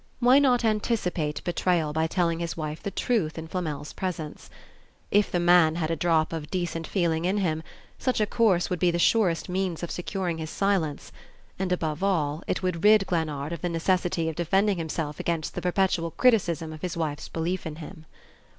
Why not anticipate betrayal by telling his wife the truth in Flamel's presence? If the man had a drop of decent feeling in him, such a course would be the surest means of securing his silence; and above all, it would rid Glennard of the necessity of defending himself against the perpetual criticism of his wife's belief in him....